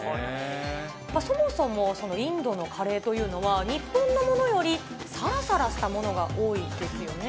そもそも、そのインドのカレーというのは、日本のものよりさらさらしたものが多いですよね。